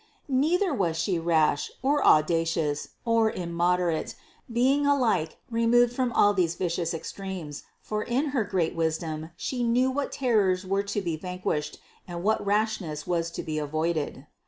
Neither was She rash, or auda cious, or immoderate, being alike removed from all these vicious extremes ; for in her great wisdom She knew what terrors were to be vanquished, and what rashness was to 30 442 CITY OF GOD be avoided.